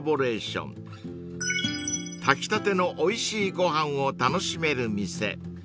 ［炊きたてのおいしいご飯を楽しめる店］